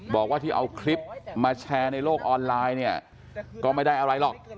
บอกว่าที่เอาคลิปมาแชร์ในโลกออนไลน์เนี่ยก็ไม่ได้อะไรหรอก